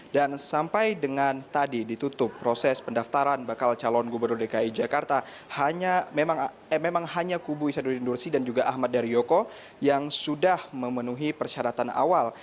dan sampai dengan tadi ditutup proses pendaftaran bakal calon gubernur dki jakarta memang hanya kubu ihsanuddin nursi dan juga ahmad daryoko yang sudah memenuhi persyaratan awal